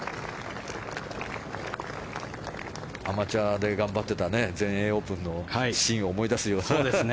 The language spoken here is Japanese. アマチュアで頑張ってた全英オープンのシーンを思い出すような。